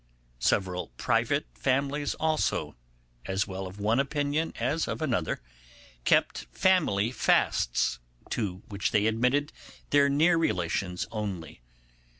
Several private families also, as well of one opinion as of another, kept family fasts, to which they admitted their near relations only.